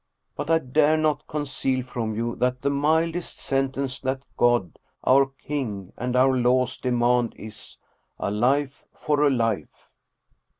But I dare not conceal from you that the mildest sentence that God, our king, and our laws demand is, a life for a life."